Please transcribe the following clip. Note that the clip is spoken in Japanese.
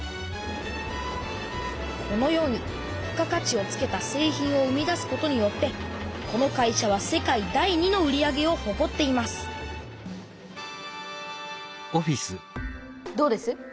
このように付加価値をつけた製品を生み出すことによってこの会社は世界第２の売り上げをほこっていますどうです？